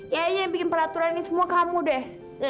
yaya bikin peraturan ini semua kamu deh